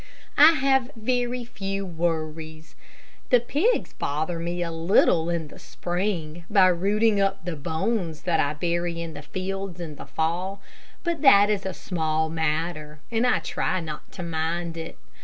I have very few worries. The pigs bother me a little in the spring, by rooting up the bones that I bury in the fields in the fall, but that is a small matter, and I try not to mind it.